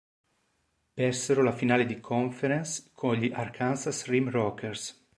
Persero la finale di conference con gli Arkansas Rim Rockers.